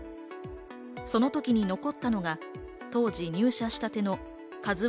その時に残ったのが、当時入社したての「ＫＡＺＵ１」